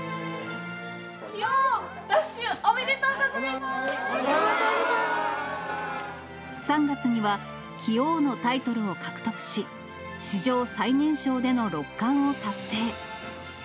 棋王奪取、おめでとうござい３月には、棋王のタイトルを獲得し、史上最年少での六冠を達成。